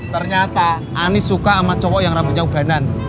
ternyata ani suka sama cowok yang rambutnya ubanan